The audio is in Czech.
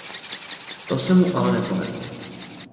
To se mu ale nepovedlo.